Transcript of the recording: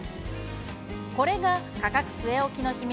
これが価格据え置きの秘密